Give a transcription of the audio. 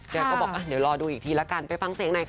แกก็บอกเดี๋ยวรอดูอีกทีละกันไปฟังเสียงหน่อยค่ะ